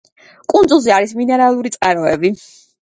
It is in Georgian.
კუნძულზე არის მინერალური წყაროები.